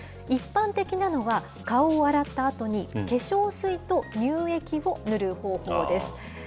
一般的なのは、顔を洗ったあとに、化粧水と乳液を塗る方法です。